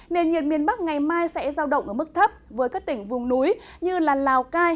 nền nhiệt miền bắc ngày mai sẽ giao động ở mức thấp với các tỉnh vùng núi như lào cai